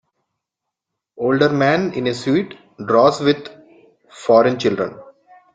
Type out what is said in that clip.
Older man in a suit draws with foreign children.